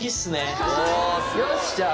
よしじゃあ。